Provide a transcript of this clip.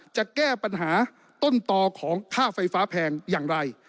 จะแก้ปัญหาต้นต่อของค่าไฟฟ้าแพงอย่างไร